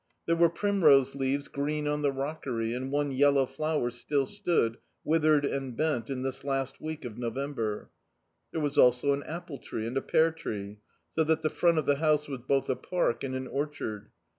There were primrose leaves green on the rockery, and one yellow flower still stood, withered and bent, in this last week of November. There was also an apple tree and a pear tree, so that the front of the house was both a park and an orchard.